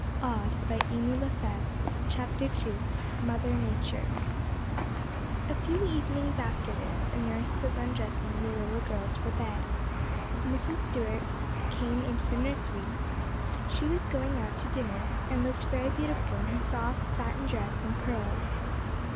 CHAPTER II 'Mother Nature' A few evenings after this, as nurse was undressing the little girls for bed, Mrs. Stuart came into the nursery. She was going out to dinner, and looked very beautiful in her soft satin dress and pearls.